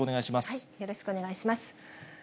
よろしくお願いします。